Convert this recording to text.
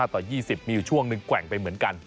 ๒๕ต่อ๒๐มีช่วงนึงแห่งไปเหมือนกัน